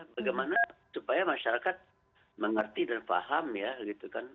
bagaimana supaya masyarakat mengerti dan paham ya gitu kan